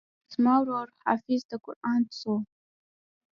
زما ورور حافظ د قران سو.